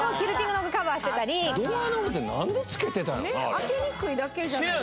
開けにくいだけじゃないですか。